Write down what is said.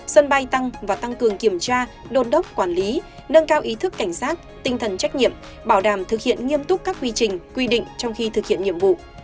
sân bay tăng và tăng cường kiểm tra đôn đốc quản lý nâng cao ý thức cảnh sát tinh thần trách nhiệm bảo đảm thực hiện nghiêm túc các quy trình quy định trong khi thực hiện nhiệm vụ